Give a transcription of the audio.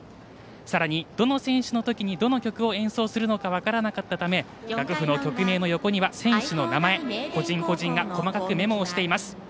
さらにどの選手の時にどの曲を演奏するのか分からなかったたため楽譜の曲名の横には選手の名前を個人個人が細かくメモをしています。